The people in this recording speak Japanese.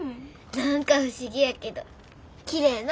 何か不思議やけどきれいな。